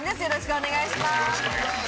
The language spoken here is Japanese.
よろしくお願いします。